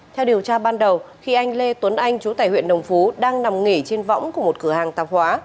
theo điều tra ban đầu khi anh lê tuấn anh chú tại huyện đồng phú đang nằm nghỉ trên võng của một cửa hàng tạp hóa